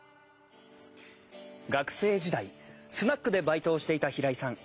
学生時代スナックでバイトをしていた平井さん。